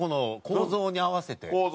構造に合わせて。